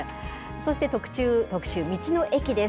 そして特集、道の駅です。